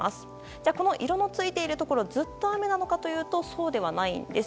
じゃあ、色のついているところずっと雨なのかというとそうではないんです。